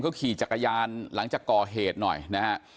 เขาขี่จักรยานหลังจากก่อเหตุหน่อยนะฮะ